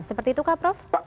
seperti itu kak prof